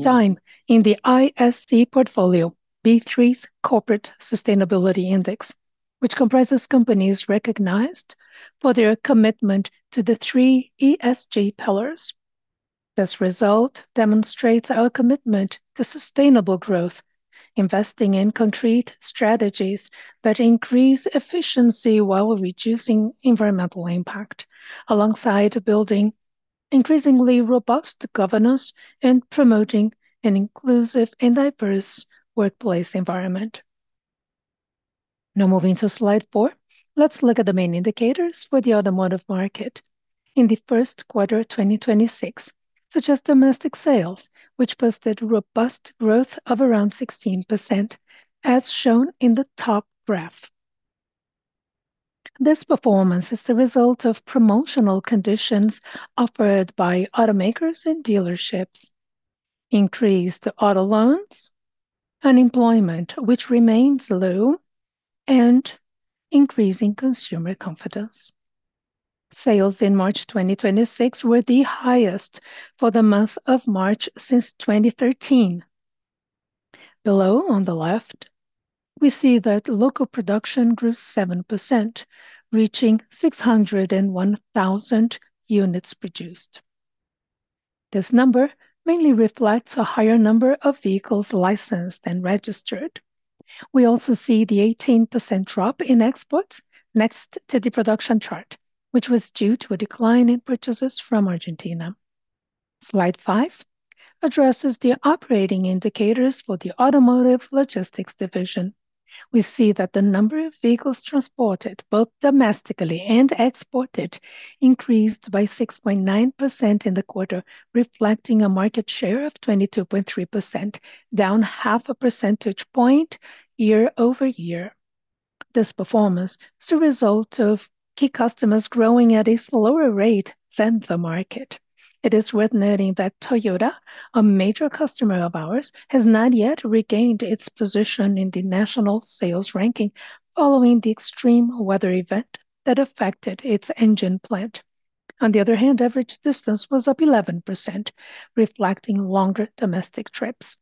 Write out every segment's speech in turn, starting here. Time in the ISE portfolio, B3's Corporate Sustainability Index, which comprises companies recognized for their commitment to the three ESG pillars. This result demonstrates our commitment to sustainable growth, investing in concrete strategies that increase efficiency while reducing environmental impact, alongside building increasingly robust governance and promoting an inclusive and diverse workplace environment. Moving to slide 4, let's look at the main indicators for the automotive market. In the first quarter 2026, such as domestic sales, which posted robust growth of around 16%, as shown in the top graph. This performance is the result of promotional conditions offered by automakers and dealerships, increased auto loans, unemployment, which remains low, and increasing consumer confidence. Sales in March 2026 were the highest for the month of March since 2013. Below, on the left, we see that local production grew 7%, reaching 601,000 units produced. This number mainly reflects a higher number of vehicles licensed and registered. We also see the 18% drop in exports next to the production chart, which was due to a decline in purchases from Argentina. Slide 5 addresses the operating indicators for the Automotive Logistics division. We see that the number of vehicles transported, both domestically and exported, increased by 6.9% in the quarter, reflecting a market share of 22.3%, down half a percentage point year-over-year. This performance is a result of key customers growing at a slower rate than the market. It is worth noting that Toyota, a major customer of ours, has not yet regained its position in the national sales ranking following the extreme weather event that affected its engine plant. On the other hand, average distance was up 11%, reflecting longer domestic trips.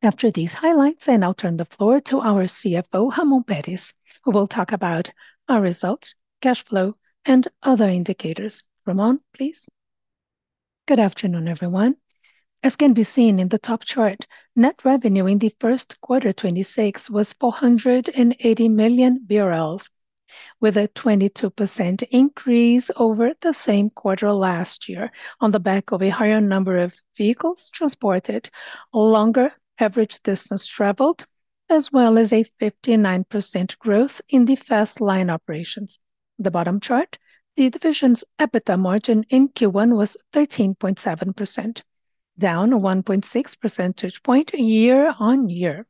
After these highlights, I now turn the floor to our CFO, Ramón Pérez, who will talk about our results, cash flow, and other indicators. Ramón, please. Good afternoon, everyone. As can be seen in the top chart, net revenue in the first quarter 2026 was 480 million, with a 22% increase over the same quarter last year on the back of a higher number of vehicles transported, a longer average distance traveled, as well as a 59% growth in the Fastline operations. The bottom chart, the division's EBITDA margin in Q1 was 13.7%, down 1.6 percentage point year-on-year.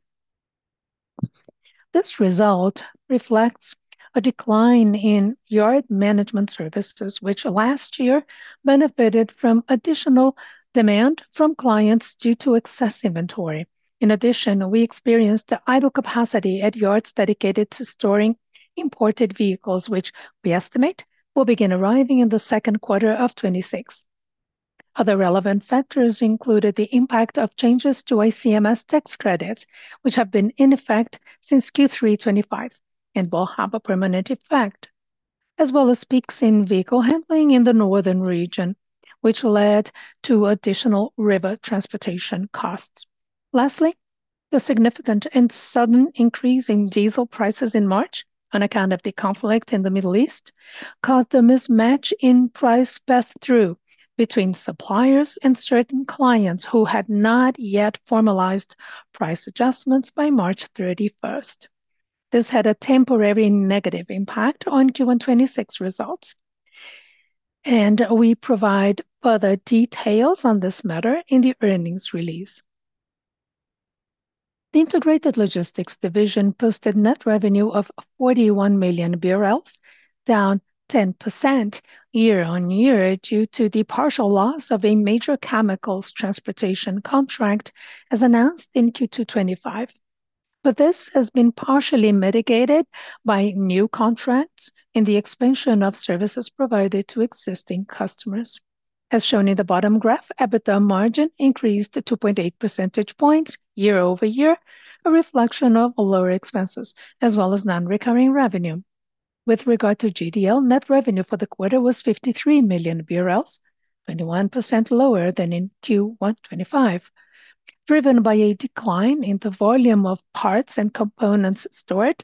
This result reflects a decline in yard management services, which last year benefited from additional demand from clients due to excess inventory. In addition, we experienced the idle capacity at yards dedicated to storing imported vehicles, which we estimate will begin arriving in the second quarter of 2026. Other relevant factors included the impact of changes to ICMS tax credits, which have been in effect since Q3 2025 and will have a permanent effect, as well as peaks in vehicle handling in the northern region, which led to additional river transportation costs. Lastly, the significant and sudden increase in diesel prices in March, on account of the conflict in the Middle East, caused a mismatch in price pass-through between suppliers and certain clients who had not yet formalized price adjustments by March 31st. This had a temporary negative impact on Q1 2026 results, and we provide further details on this matter in the earnings release. The Integrated Logistics division posted net revenue of 41 million BRL, down 10% year-on-year due to the partial loss of a major chemicals transportation contract, as announced in Q2 2025. This has been partially mitigated by new contracts and the expansion of services provided to existing customers. As shown in the bottom graph, EBITDA margin increased to 2.8 percentage points year-over-year, a reflection of lower expenses, as well as non-recurring revenue. With regard to GDL, net revenue for the quarter was 53 million BRL, 21% lower than in Q1 2025, driven by a decline in the volume of parts and components stored,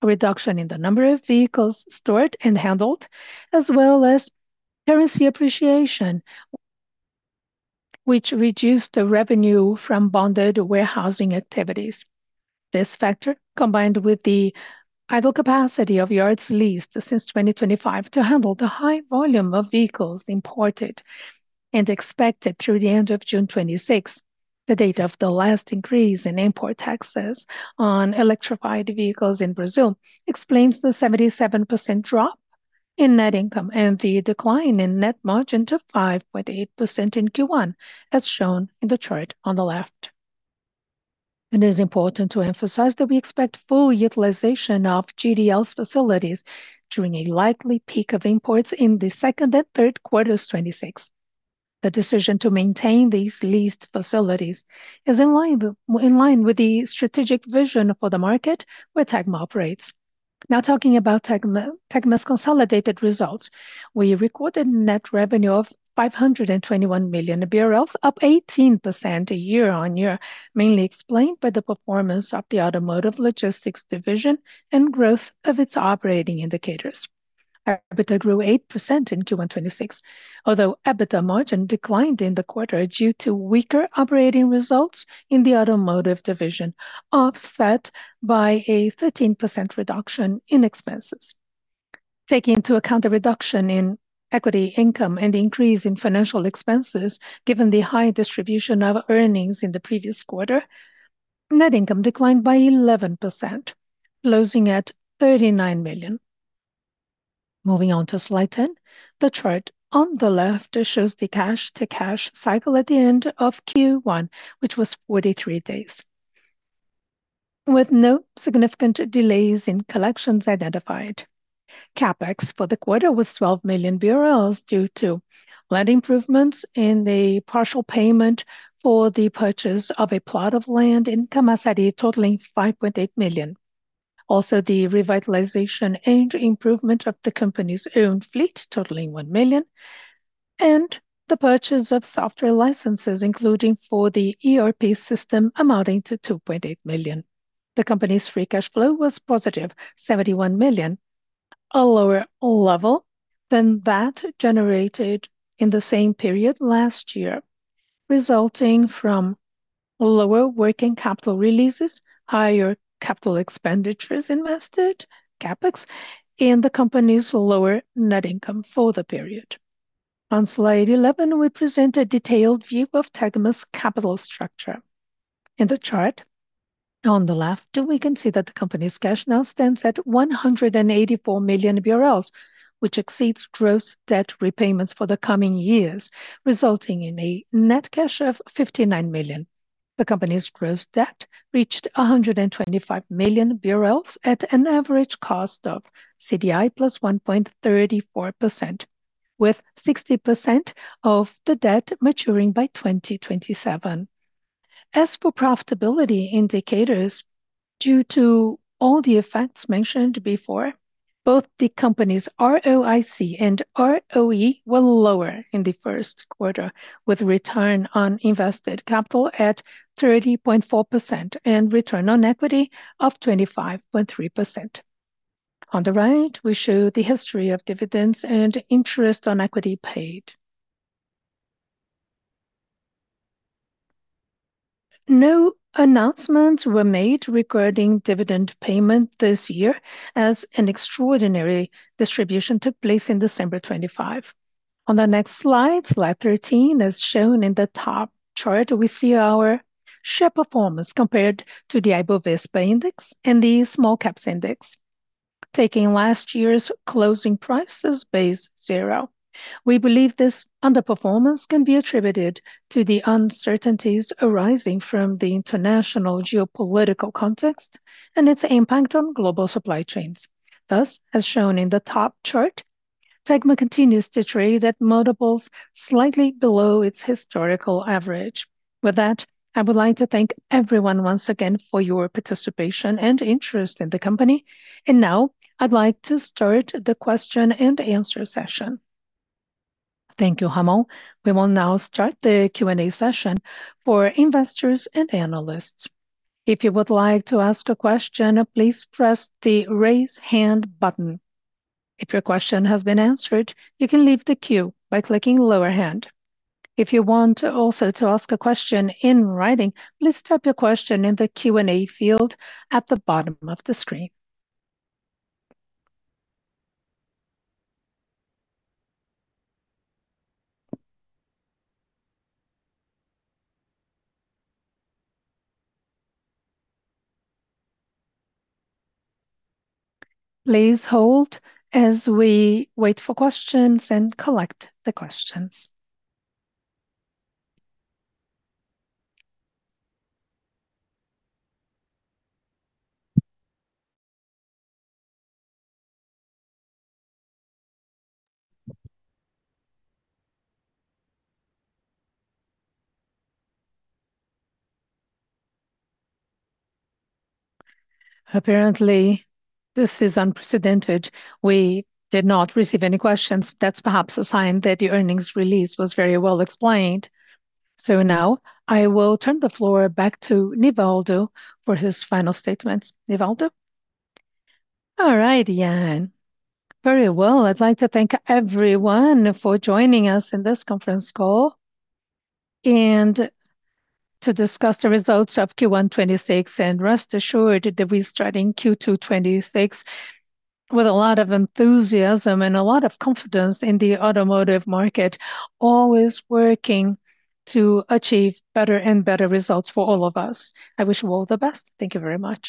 a reduction in the number of vehicles stored and handled, as well as currency appreciation, which reduced the revenue from bonded warehousing activities. This factor, combined with the idle capacity of yards leased since 2025 to handle the high volume of vehicles imported and expected through the end of June 2026, the date of the last increase in import taxes on electrified vehicles in Brazil, explains the 77% drop in net income and the decline in net margin to 5.8% in Q1, as shown in the chart on the left. It is important to emphasize that we expect full utilization of GDL's facilities during a likely peak of imports in the second and third quarters 2026. The decision to maintain these leased facilities is in line with the strategic vision for the market where Tegma operates. Now talking about Tegma's consolidated results. We recorded net revenue of 521 million BRL, up 18% year-on-year, mainly explained by the performance of the Automotive Logistics division and growth of its operating indicators. Our EBITDA grew 8% in Q1 2026, although EBITDA margin declined in the quarter due to weaker operating results in the automotive division, offset by a 13% reduction in expenses. Taking into account the reduction in equity income and increase in financial expenses, given the high distribution of earnings in the previous quarter, net income declined by 11%, closing at 39 million. Moving on to slide 10. The chart on the left shows the cash to cash cycle at the end of Q1, which was 43 days, with no significant delays in collections identified. CapEx for the quarter was 12 million BRL due to land improvements in the partial payment for the purchase of a plot of land in Camaçari totaling 5.8 million. Also, the revitalization and improvement of the company's own fleet totaling 1 million, and the purchase of software licenses, including for the ERP system amounting to 2.8 million. The company's free cash flow was positive, 71 million, a lower level than that generated in the same period last year, resulting from lower working capital releases, higher capital expenditures invested, CapEx, and the company's lower net income for the period. On slide 11, we present a detailed view of Tegma's capital structure. In the chart on the left, we can see that the company's cash now stands at BRL 184 million, which exceeds gross debt repayments for the coming years, resulting in a net cash of 59 million. The company's gross debt reached 125 million BRL at an average cost of CDI +1.34%, with 60% of the debt maturing by 2027. As for profitability indicators, due to all the effects mentioned before, both the company's ROIC and ROE were lower in the first quarter, with return on invested capital at 30.4% and return on equity of 25.3%. On the right, we show the history of dividends and interest on equity paid. No announcements were made regarding dividend payment this year, as an extraordinary distribution took place in December 2025. On the next slide 13, as shown in the top chart, we see our share performance compared to the IBOVESPA index and the Small Caps index. Taking last year's closing price as base zero, we believe this underperformance can be attributed to the uncertainties arising from the international geopolitical context and its impact on global supply chains. As shown in the top chart, Tegma continues to trade at multiples slightly below its historical average. With that, I would like to thank everyone once again for your participation and interest in the company. Now I'd like to start the question-and-answer session. Thank you, Ramón. We will now start the Q&A session for investors and analysts. If you would like to ask a question, please press the Raise Hand button. If your question has been answered, you can leave the queue by clicking Lower Hand. If you want also to ask a question in writing, please type your question in the Q&A field at the bottom of the screen. Please hold as we wait for questions and collect the questions. Apparently, this is unprecedented. We did not receive any questions. That's perhaps a sign that the earnings release was very well explained. Now I will turn the floor back to Nivaldo for his final statements. Nivaldo? All right. Yeah. Very well. I'd like to thank everyone for joining us in this conference call and to discuss the results of Q1 2026, and rest assured that we're starting Q2 2026 with a lot of enthusiasm and a lot of confidence in the automotive market, always working to achieve better and better results for all of us. I wish you all the best. Thank you very much.